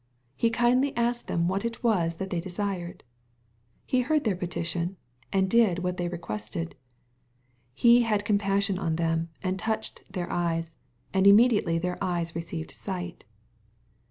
He kindly asked them what it was that they desired. He heard their petition, and did what they requested. He " had compassion on them, and touched their eyes — and immediately their eyes received sight.'